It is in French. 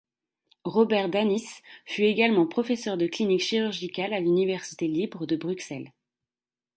Robert Danis fut également professeur de Clinique chirurgicale à l'Université libre de Bruxelles.